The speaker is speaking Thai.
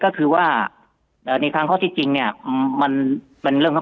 ก็คือว่าในทางข้อที่จริงเนี่ยมันเป็นเรื่องของ